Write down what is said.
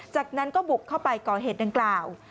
จากนั้นก็บุกเข้าไปก่อเหตุดังกล่าว